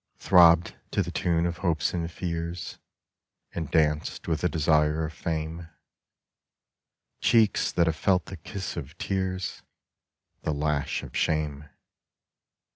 Throbbed to the tune of hopes and fears And danced with the desire of fame : Cheeks that have felt the kiss of tears, The lash of shame.